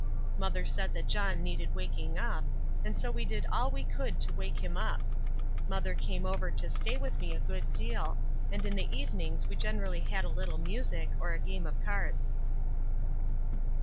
Mother said that John needed waking up, and so we did all we could to wake him up. Mother came over to stay with me a good deal, and in the evenings we generally had a little music or a game of cards.